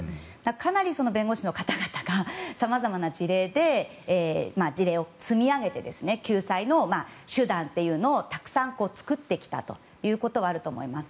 かなり、弁護士の方々がさまざまな事例を積み上げて救済の手段をたくさん作ってきたということはあると思います。